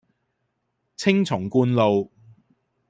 青松觀路